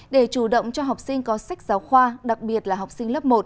để chủ động cho học sinh có sách giáo khoa đặc biệt là học sinh lớp một